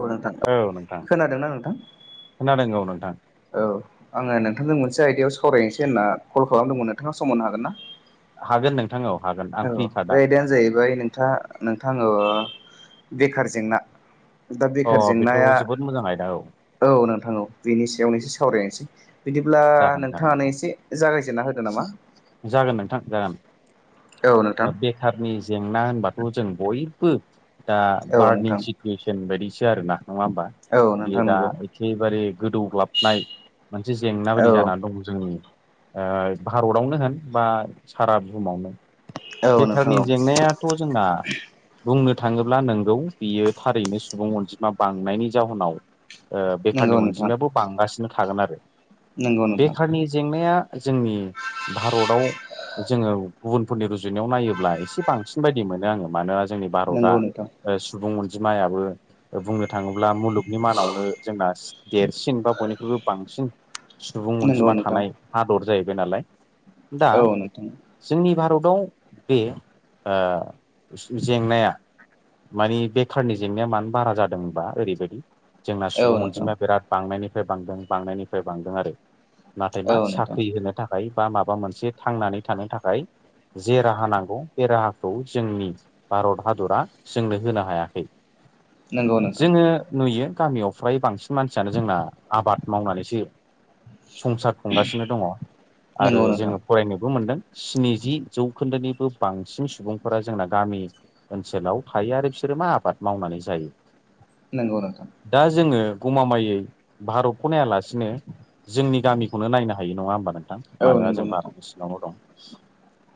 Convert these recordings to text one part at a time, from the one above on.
औ नोंथां औ नोंथां खोनादोंना नोंथां खोनादों औ नोंथां। औ आङो नोंथांजों मोनसे आयदायाव सावरायनोसै होनना कल खालामदोंमोन नोंथाङा समाननो हागोन ना? हागोन नोंथां औ हागोन। आं औ फ्रिखा दा बे आयदायानो जाहैबाय नोंथां नोंथां ओ बेखार जेंना। दा अ बेखार बेथ' जेंनाया जोबोद मोजां आयदा औ औ नोंथां औ बेनि सायावनो एसे सावरायनोसै। बिदिब्ला जागोन जागोन नोंथाङानो नोंथां एसे जागायजेनना होदो नामा? जागोन नोंथां जागोन। औ नोंथां बे बेखारनि जेंना होनबाथ' जों बयबो दा औ बारनि नोंथां जि [unintelligible] बायदिसो आरो ना नङा होमबा? औ बियो नोंथां दा नंगौ एखेबारे गोदौग्लाबनाय मोनसे जेंना औ बायदि जानानै दं जोंनि भारतावनो होन बा सारा बुहुमावनो औ नोंथां बेखारनि औ जेंनाया थ' जोंना बुंनो थाङोब्ला नोंगौ बियो थारैनो सुबुं अनजिमा बांनायनि जाहोनाव ओ नंगौ बेखारनि नोंथां अनजिमायाबो बांगासिनो थागोन आरो। नंगौ नोंथां बेखारनि जेंनाया जोंनि भारताव जोङो गुबुनफोरनि रुजुनायाव नायोब्ला एसे बांसिन बायदि मोनो आङो मानोना जोंनि भारतआ नंगौ नोंथां सुबुं अनजिमायाबो बुंनो थाङोब्ला मुलुगनि मादावनो जोंना देरसिन बा बयनिख्रुइबो बांसिन। सुबुं नंगौ अनजिमा नोंथां थानाय हादर जाहैबाय नालाय दा औ नोंथां जोंनि भारताव बे जेंनाया मानि बेखारनि जेंनाया मानो बारा जादोंबा ओरैबादि जोंना औ सुबुं नोंथां अनजिमाया बिराद बांनायनिफ्राय बांदों बांनायनिफ्राय बांदों आरो। नाथाय औ मा नोंथां साख्रि होनो थाखाय बा माबा मोनसे थांनानै थानो थाखाय जे राहा नांगौ बे राहाखौ जोंनि भारत हादरा जोंनो होनो हायाखै। नंगौ नोंथां जोङो नुयो गामियाव फ्राय बांसिन मानसियानो जोंना आबाद मावनानैसो संसार खुंगासिनो दङ आरो नंगौ नोंथां जोङो फरायनोबो मोनदों। स्निजि जौखोन्दोनिबो बांसिन सुबुंफोरा जोंना गामि ओनसोलाव थायो आरो बिसोरो मा आबाद मावनानै जायो। नोंगौ नोंथां। दा जोङो गमामायै भारतखौ नायालासिनो जोंनि गामिखौनो नायनो हायो नङा होमबा नोंथां औ मानोना नंगौ जों नोंथां भारतनि सिङावनो दं।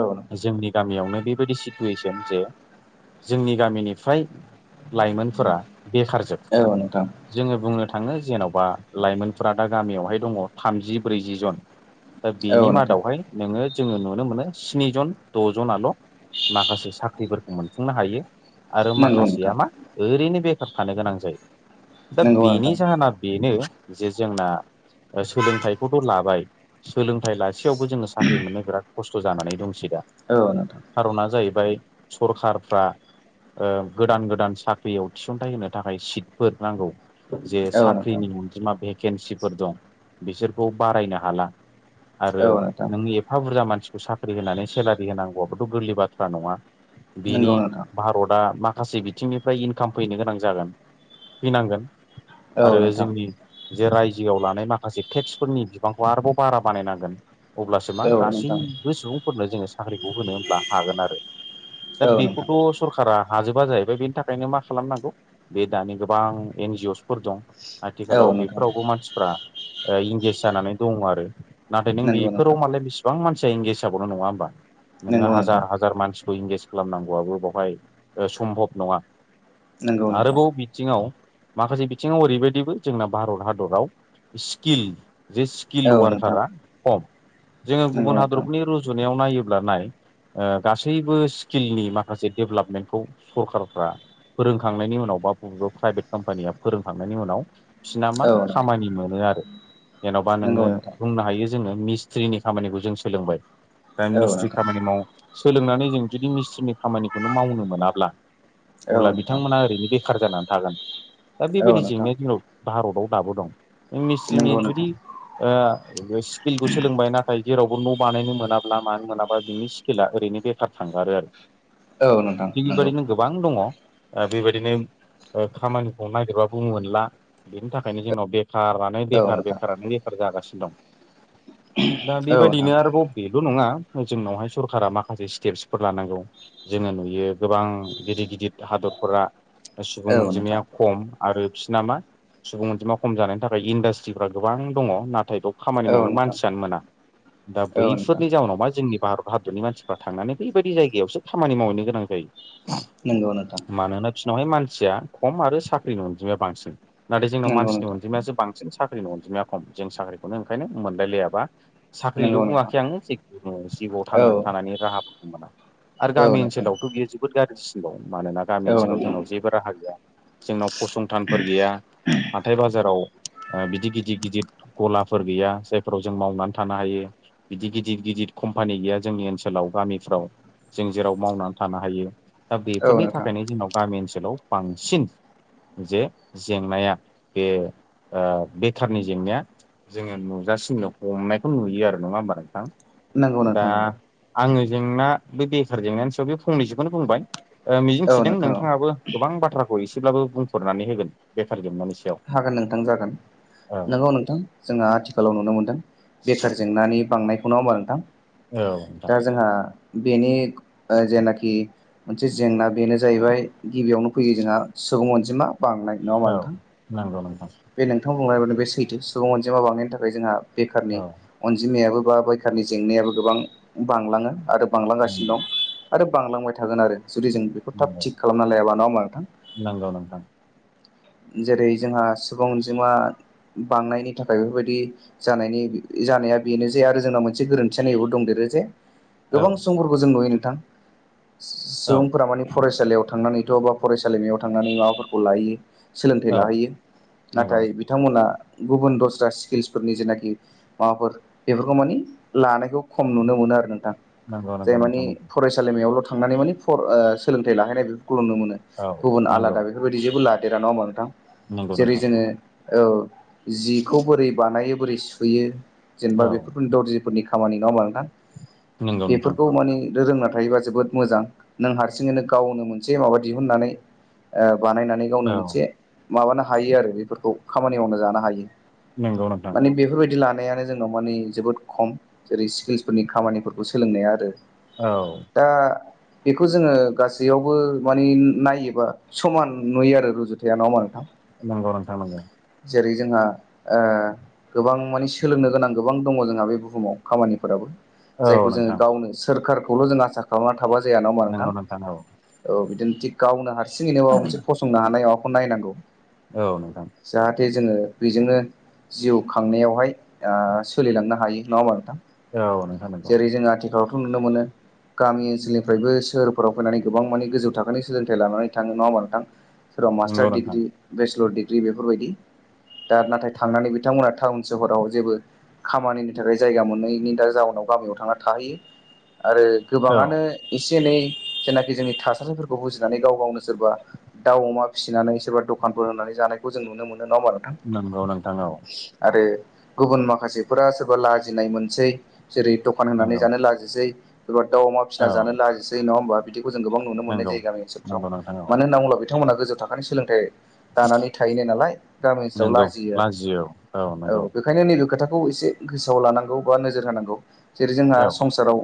औ नोंथां। जोंनि गामियावनो बेबायदि सिटुवेसन जे जोंनि गामिनिफ्राय लाइमोनफोरा बेखारजोब। औ नोंथां। जोङो बुंनो थाङो जेन'बा लाइमोनफोरा दा गामियावहाय दङ थामजि ब्रैजि जन। दा औ बेनि नोंथां मादावहाय नोङो जोङो नुनो मोनो स्निजन द'जनाल माखासे साख्रिफोरखौ मोनफुंनो हायो। आरो नंगौ माखासेया नोंथां मा ओरैनो बेखार थानो गोनां जायो। दा नंगौ बेनि नोंथां जाहोना बेनो जे जोंना सोलोंथाइखौथ' लाबाय सोलोंथाइ लासेयावबो जोङो साख्रि मोननो बिराद खस्थ' जानानै दंसै दा। औ नोंथां। खारना जाहैबाय सरखारफ्रा ओ गोदान गोदान साख्रियाव थिसनथाइ होनो थाखाय सिटफोर नांगौ। जे औ नोंथां साख्रिनि अनजिमा भेकेन्सिफोर दं बिसोरखौ बारायनो हाला। आरो औ नोंथां नोंनि एफा बुरजा मानसिखौ साख्रि होनानै सेलारि होनांगौआबोथ' गोरलै बाथ्रा नङा। बिनि नंगौ नोंथां भारतआ माखासे बिदि बिथिंनिफ्राय इनकाम फैनो गोनां जागोन फैनांगोन औ आरो नोंथां जोंनि जे रायजोआव लानाय माखासे टेक्सफोरनि बिबांखौ आरोबाव बारा बानायनांगोन अब्लासो मा औ नोंथां गासैबो सुबुंफोरनो जोङो साख्रिखौ होनो होनब्ला हागोन आरो दा औ नोंथां बेखौथ' सरकारा हाजोबा जाहैबाय बेनि थाखायनो मा खालामनांगौ बे दानि गोबां एन जि असफोर दं। औ आथिखालाव नोंथां बेफोरावबो मानसिफ्रा ओ इंगेज जानानै दङ आरो। नाथाय नों नंगौ नोंथां बेफोराव मालाय बेसिबां मानसिया इंगेज जाबावनो नङा होनोमबा। नोङो नंगौ नोंथां हाजार हाजार मानसिखौ इंगेज खालामनांगौआबो बावहाय सम्भब नङा। नंगौ नोंथां आरोबाव बिथिङाव माखासे बिथिङाव ओरैबायदिबो जोंना भारत हादराव स्किल जे स्क किल औ नोंथां वारकारा खम जोङो नंगौ गुबुन नोंथां हादरफोरनि रुजुनायाव नायोब्ला नाय ओ गासैबो स्किलनि माखासे डेभलपमेन्टखौ सरखारारफ्रा फोरोंखांनायनि उनाव बा बबेबा प्राइभेट कम्पानिया फोरोंखांनायनि उनाव बिसोरना मा औ खामानि मोनो आरो जेन'बा नंगौ नोङो नोंथां बुंनो हायो जोङो मिस्ट्रिनि खामानिखौ जों सोलोंबाय दा औ मिस्ट्रि नोंथां खामानि माव सोलोंनानै जों जुदि मिस्ट्रिनि खामानिखौनो मावनो मोनाब्ला अब्ला औ नोंथां बिथांमोना ओरैनो बेखार जानानै थागोन दा औ बेबायदि नोंथां जेंनाया जोंनाव भारताव दाबो दं। मिस्रिनि नंगौ जुदि नोंथां ओ बे स्किलखौ सोलोंबाय नाथाय जेरावबो न' बानायनो मोनाब्ला मानो मोनाब्ला बिनि स्किला ओरैनो बेखार थांगो आरो। [inaudible] नोंथां नंगौ [inaudible] गोबां दङ ओ बेबायदिनो ओ खामानिखौ नागिरबाबो मोनला बेनि थाखायनो जोंनाव बेखारानो औ बेखार नोंथां बेखारानो बेखार जागासिनो दं। दा औ नोंथां औ बेबायदिनो आरोब बेल' नङा जोंनावहाय सरखारा माखासे स्टेप्सफोर लानांगौ जोङो नुयो गोबां गिदिर गिदिर हादरफोरा सुबुं नोंथां अनजिमाया खम आरो बिसोर नामा सुबुं अनजिमा खम जानायनि थाखाय इन्डास्ट्रिफ्रा गोबां दङ नाथाय दब खामानि औ मावनो नोंथां मानसियानो मोना दा औ नोंथां बैफोरनि जाउनाव मा जोंनि भारत भादरनि मानसिफ्रा थांनानै बैबायदि जायगायावसो खामानि मावहैनो गोनां जायो नोंगौ नोंथां मानोना बिसनावहाय मानसिया खम आरो साख्रिनि अनजिमाया बांसिन नाथाय जोंनाव नंगौ मानसिनि नोंथां अनजिमायासो बां सिन साख्रिनि अनजिमाया खम जों साख्रिखौनो ओंखायनो मोनलायलायाबा साख्रिल' नंगौ नोंथां बुङाखै आङो जेखुनु जिउआव औ थांनानै थानानै राहाफोरखौ मोना आरो गामि नोंथां ओनसोलावथ' बियो जोबोद गाज्रिसिन बाव मानोना गामि औ ओनसोलाव नोंथां जोंनाव जेबो राहा गैया जोंनाव फसंथानफोर गैया हाथाय बाजाराव ओ बिदि गिदिर गिदिर गलाफोर गैया जायफोराव जों मावनानै थानो हायो बिदि गिदिर गिदिर कम्पानि गैया जोंनि ओनसोलाव गामिफ्राव जों जेराव मावनानै थानो हायो दा औ बेफोरनि नोंथां थाखायनो जोंनाव गामि ओनसोलाव बांसिन जे जेंनाया बे ओ बेखारनि जेंनाया जोङो नुजासिनो हमनायखौ नुयो आरो नङा हबारा नोंथां नंगौ दा नोंथां नंगौ आङो जेंना बे बेखार जेंनानि सायाव बे फंनैसोखौनो बुंबाय ओ औ मिजिंथिदों नोंथां औ नोंथाङाबो गोबां बाथ्राखौ एसेब्लाबो बुंफोरनानै होगोन बेखारजोंनानि हागोन नोंथां जागोन नंगौ नोंथां जोंहा आथिखालाव नुनो मोनदों औ बेखार जेंनानि बांनाय खौ नङा होमबा नोंथां नोंथां दा जोंहा बेनि जेनाखि ओ मोनसे जेंना बेनो जाहैबाय गिबियावनो फैयो जोंहा सुबुं अनजिमा बांनाय नङा होमबा औ नोंथां नोंगौ नोंथां बे नोंथांमोन बुंनायानो बे सैथो सुबुं अनजिमा बांनायनि थाखाय जोंहा बेखारनि औ अनजिमायाबो बा बैखारनि जेंनायाबो गोबां बांलाङो आरो नंगौ बांलांगासिनो दं आरो बांलांबाय थागोन आरो जुदि जों बेखौ थाब नंगौ थिग खालामना लायाबा नङा होमबा नोंथां नंगौ नोंथां जेरै जोंहा सुबुं अनजिमा बांनायनि थाखाय बेफोरबायदि जानायनि जानाया बेनो जे आरो जोंना मोनसे गोरोन्थिया नैबेबो दंदेरो जे औ गोबां सुबुंफोरखौ जों नुयो नोंथां औ सुबुंफोरा माने फरायसालियाव थांनानै थ' बा फरायसालिमायाव थांनानै माबाफोरखौ लाहैयो सोलोंथाइ औ लाहैयो नंगौ नाथाय बिथांमोना गुबुन दस्रा स्किल्सफोरनि जेनाखि माबाफोर बेफोरखौ मानि लानायखौ खम नुनो मोनो आरो नोंथां नंगौ जाय नंगौ मानि नोंथां नंगौ फरायसालिमायावल' थांनानै माने फर ओ सोलोंथाइ लाहैनाय बेफोरखौल' नुनो मोनो औ गुबुन नंगौ आलादा बेफोरबायदि जेबो लादेरा नङा होमबा नोंथां नंगौ जेरै नोंथां जोङो औ जिखौ बोरै बानायो बोरै सुयो जेनेबा औ बेफोर दरजि फोरनि खामानि नङा होमबा नोंथां नंगौ नोंथां बेफोरखौ माने रोंना थायोबा जोबोद मोजां नों हारसिंङैनो गावनो मोनसे माबा दिहुननानै ओ बानायनानै गावनो औ मोनसे माबानो हायो आरो बेफोरखौ खामानि मावनो जानो हायो नंगौ नोंथां माने बेफोरबायदि लानायानो जोंनाव मानि जोबोद खम जेरै स्किल्सफोरनि खामानिफोरखौ सोलोंनाया आरो औ दा बेखौ जोङो गासैयावबो मानि नायोबा समान नुयो आरो रुजुथ या नङा होनबा नोंथां नंगौ नोंथां नोंगौ जेरै जोंहा ओ गोबां माने सोलोंनो गोनां गोबां दङ जोंहा बे बुहुमाव खामानिफोराबो जायखौ औ जोङो नोंथां गावनो सोरखारखौल' जों आसा खालामना थाबा जाया नङा होनबा नोंथां नंगौ औ औ बिदिनो थिग गावनो हारसिङैनो माबा मोनसे फसंनो हानाय माबाखौ नायनांगौ औ नोंथां जाहाथे जोङो बेजोंनो जिउ खांनायावहाय ओ सोलिलांनो हायो नङा होनबा नोंथां औ नोंथां नंगौ जेरै जों आथिखालावथ' नुनो मोनो गामि ओनसोलनिफ्रायबो सोहोरफोराव फैनानै गोबां माने गोजौ थाखोनि सोलोंथाइ लानानै थाङो नङा होमबा नोंथां? सोरबा नंगौ मास्टार नोंथां डिग्रि, बेचलर डिग्रि बेफोरबायदि। दा नाथाय थांनानै बिथांमोना टाउन सहराव जेबो खामानिनि थाखाय जायगा मोनैनि दा जाउनाव गामियाव थांना थाहैयो आरो औ गोबाङानो एसे एनै जेनाखि जोंनि थासारिफोरखौ बुजिनानै गाव गावनो सोरबा दाउ अमा फिसिनानै सोरबा दखानफोर होनानै जानायखौ जों नुनो मोनो। नङा होनबा नोंथां? नंगौ नोंथां औ। आरो गुबुन माखासेफोरा सोरबा लाजिनाय मोनसै। जेरै दखान होनानै नंगौ जानो ला सोरबा दाउ अमा फिना औ जानो लाजिसै नङा होनबा? बिदिखौ जों गोबां नुनो मोननाय नंगौ जायो गामि ओनसोलफ्राव। नंगौ नोंथां औ मानो होनना बुोब्ला बिथांमोना गोजौ थाखोनि सोलोंथाइ दानानै थाहैनाय नालाय गामि ओनसोलाव लाजियो आरो। औ बे ओंखायनो नैबे खोथाखौ एसे गोसोआव लानांगौ बा नोजोर होनांगौ। जेरै जोंहा औ संसाराव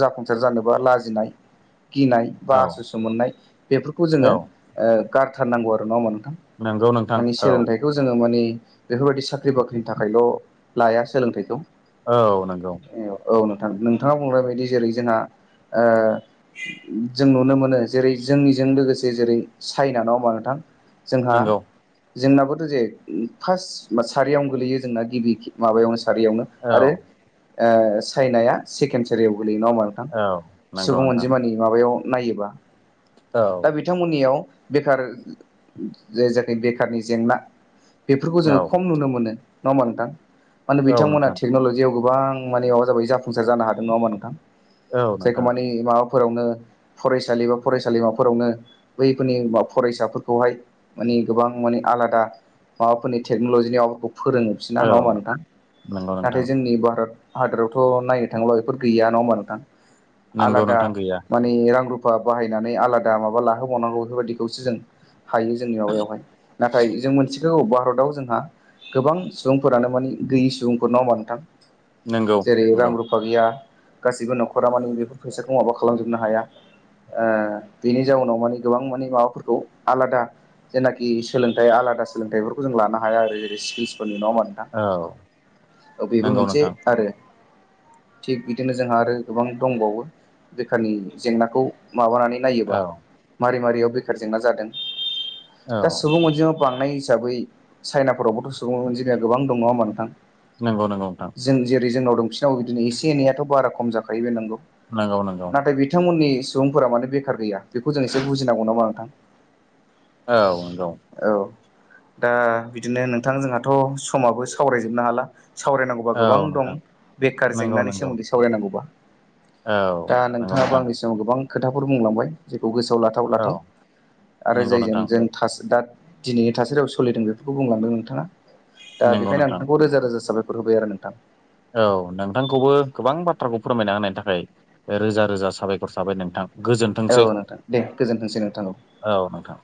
जाफुंसार जानोबा लाजिनाय गिनाय बा औ आसु सु' मोननाय बेफोरखौ जोङो औ गारथारनांगौ आरो नङा होनबा नोंथां? नंगौ नोंथां माने औ सोलोंथाइ बेखौ जोङो मानि बेफोरबायदि साख्रि बाख्रिनि थाखायल' लाया सोलोंथाइखौ। औ नंगौ। औ नोंथां। नोंथाङा बुंनाय बादि जेरै जोंहा जों नुनो मोनो जेरै जोंनिजों लोगोसे जेरै चाइना नङा होनबा नोंथां? जोंहा नंगौ जोंनाबोथ' जे फार्स्ट सारियावनो गोलैयो जोंना गिबि माबायावनो सारियावनो। औ आरो चाइनाया सेकेणड सारियाव गोलैयो नङा होमबा नों औ नंगौ सुबुं नोंथां अनजिमानि माबायाव नायोबा, औ दा बिथांमोननियाव बेखार जे जोंनि बेखारनि जेंना बेफोरखौ औ जोङो खम नुनो मोनो। नङा होमा नोंथां? माने औ बिथांमोना नोंथां टेक्न'लजियाव गो गोबां माने माबा जाबाय जाफुंसार जानो हादों। नङा होमबा नोंथां? औ जायखौ नोंथां माने माबाफोरावनो फरायसालि बा फरायसालिमाफोरावनो फोरनि फरायसाफोरखौहाय माने गोबां माने आलादा माबाफोरनि टेक्न'लजिनि माबाफोरखौ फोरोङो बिसिना, औ नङा होमबा नोंथां? नंगौ नाथाय नोंथां जोंनि भारत हादोरावथ' नायनो थाङोब्ला बेफोर गैया। नङा होनबा नोंथां? नंगौ आलादा नोंथां गैया माने रां रुफा बाहायनानै आलादा माबा लाहोबावनांगौ बेफोरबायदिखौसो जों हायो जोंनि माबायावहाय, नाथाय जों मोन थिगौ भारताव जोंहा गोबां सुबुंफोरानो माने गैयि सुबुंफोर। नङा होमबा नोंथां? नंगौ जेरै रां नंगौ रुफा गैया, गासिबो न'खरा मानि बेफोर फैसाखौ माबा खालामजोबनो हाया। बेनि जाउनाव माने गोबां माने माबाफोरखौ आलादा जेनाखि सोलोंथाइ आलादा सोलोंथाइफोरखौ जों लानो हाया आरो। जेरै स्किल्सफोरनि नङा होमबा नों औ औ बेबो नंगौ मोनसे नोंथां आरो। थिग बिदिनो जोंहा आरो गोबां दंबावो। बेखारनि जेंनाखौ माबानानै नायोबा। औ मारै मारैयाव बेखार जेंना जादों। औ दा सुबुं अनजिमा बांनाय हिसाबै चाइनाफोरावबोथ' सुबुं अनजिमाया गोबां दं। नङा होमबा नोंथां? नंगौ नंगौ नोंथां। जों जेरै जोंनाव दं बिसिनावबो बिदिनो एसे एनैआथ' बारा खम जाखायो बे नंगौ। नंगौ नंगौ नाथाय बिथांमोननि सुबुंफोरा माने बेखार गैया। बेखौ जों एसे बुजिनांगौ नङा होमबा नोंथां? औ नंगौ। औ दा बिदिनो नोंथां जोंहाथ' समाबो सावरायजोबनो हाला। सावरायनांगौबा औ गोबां दं। नोंथां बेखार नंगौ जेंनानि नंगौ सोमोन्दै सावरायनांगौबा। औ दा नंगौ नोंथाङाबो नोंथां आंनि सिगाङाव गोबां खोथाफोर बुंलांबाय। जेखौ गोसोआव लाथाव औ लाथाव। आरो नंगौ जायजों नोंथां जों दा दिनैनि थासारियाव सोलिदों बेफोरखौ बुंलांदों नोंथाङा। दा नंगौ बेखायनो आं नोंथां नोंथांखौ रोजा रोजा साबायखर होबाय आरो नोंथां। औ नोंथांखौबो गोबां बाथ्राखौ फोरमायना होनायनि थाखाय रोजा रोजा साबायखर थाबाय नोंथां। गोजोनथोंसै औ नोंथां दे गोजोनथोंसै नोंथां‌ औ। औ नोंथां